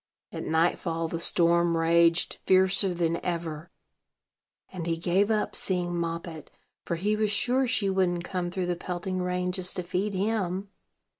At nightfall the storm raged fiercer than ever, and he gave up seeing Moppet; for he was sure she wouldn't come through the pelting rain just to feed him.